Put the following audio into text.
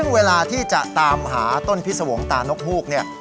มาที่จะตามหาต้นพิสวงตานกหูก